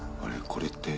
これって。